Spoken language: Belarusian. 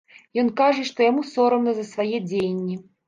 Ён кажа, што яму сорамна за свае дзеянні.